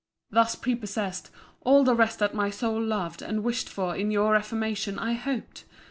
Thus prepossessed, all the rest that my soul loved and wished for in your reformation I hoped!